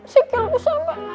sikil busa mbak